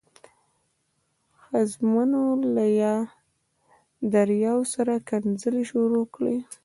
ښځمنو له دریاو سره ښکنځلې شروع کړې.